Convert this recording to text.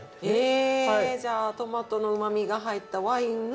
えじゃあトマトの旨味が入ったワインの。